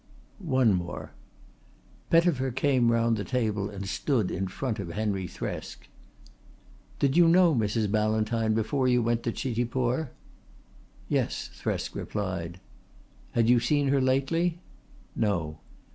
"One more." Pettifer came round the table and stood in front of Henry Thresk. "Did you know Mrs. Ballantyne before you went to Chitipur?" "Yes," Thresk replied. "Had you seen her lately?" "No."